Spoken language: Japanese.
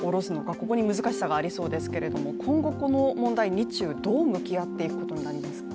ここに難しさがありそうですけども今後、この問題日中はどう向き合っていくことになりますか？